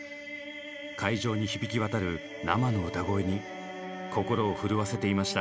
会場に響き渡る生の歌声に心を震わせていました。